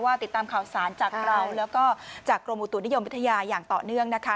ติดตามข่าวสารจากเราแล้วก็จากกรมอุตุนิยมวิทยาอย่างต่อเนื่องนะคะ